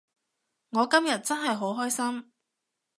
我今日真係好開心